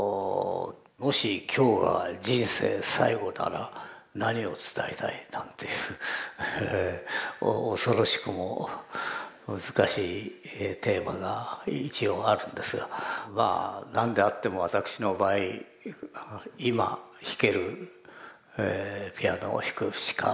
「もし今日が人生最後なら何を伝えたい？」なんていう恐ろしくも難しいテーマが一応あるんですがまあ何であっても私の場合今弾けるピアノを弾くしかない。